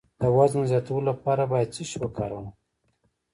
د وزن د زیاتولو لپاره باید څه شی وکاروم؟